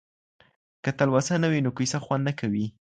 که تلوسه نه وي نو کيسه خوند نه کوي.